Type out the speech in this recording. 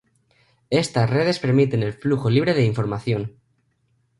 Estas redes permiten el flujo libre de información.